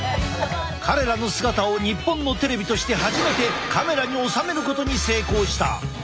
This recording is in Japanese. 彼らの姿を日本のテレビとして初めてカメラに収めることに成功した。